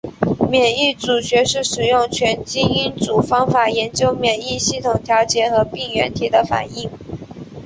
免疫组学是使用全基因组方法研究免疫系统调节和对病原体的反应。